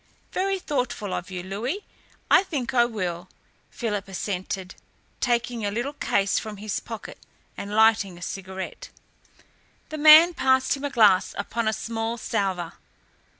"Very thoughtful of you, Louis. I think I will," Philip assented, taking a little case from his pocket and lighting a cigarette. The man passed him a glass upon a small salver.